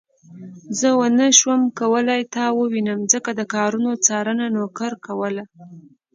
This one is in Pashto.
زه ونه شوم کولای تا ووينم ځکه د کارونو څارنه نوکر کوله.